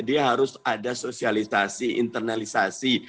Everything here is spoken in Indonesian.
dia harus ada sosialisasi internalisasi